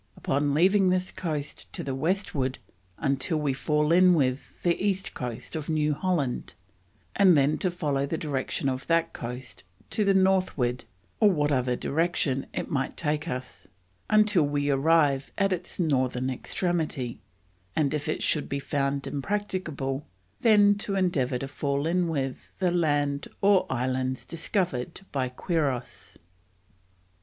Upon leaving this coast to the Westward until we fall in with the East coast of New Holland, and then to follow the direction of that coast to the Northward or what other direction it might take us, until we arrive at its Northern extremity; and if it should be found impracticable then to Endeavour to fall in with the Land or Islands discovered by Quiros."